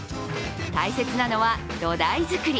大切なのは土台作り。